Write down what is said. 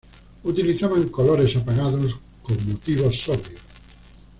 Utilizaban colores apagados con motivos sobrios.